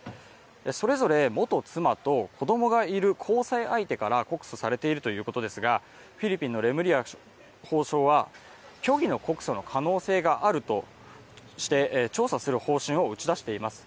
それぞれ元妻と子供がいる交際相手から告訴されているということですが、フィリピンのレムリヤ法相は虚偽の告訴の可能性があるとして調査する方針を打ち出しています。